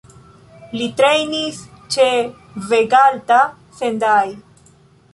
Li trejnis ĉe Vegalta Sendai.